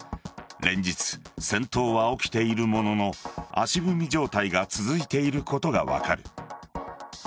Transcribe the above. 連日、戦闘は起きているものの足踏み状態が続いていることが分かる。